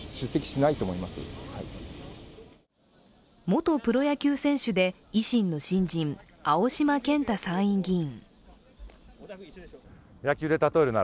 元プロ野球選手で維新の新人青島健太参院議員。